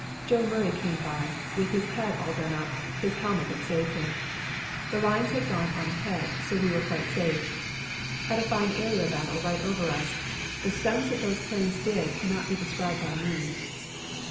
Joe Murray came by with his head all done up his helmet had saved him. The lines had gone on ahead so we were quite safe. Had a fine aero battle right over us. The stunts that those planes did cannot be described by me.